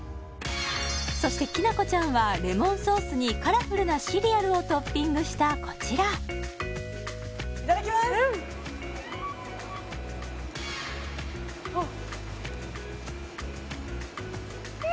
そしてきなこちゃんはレモンソースにカラフルなシリアルをトッピングしたこちらいただきますどう？